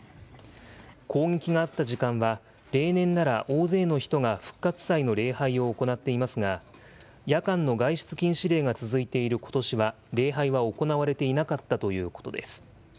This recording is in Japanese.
攻撃があった時間は、例年なら大勢の人が復活祭の礼拝を行っていますが、夜間の外出禁止令が続いていることしは、礼拝は行われていなかったということです。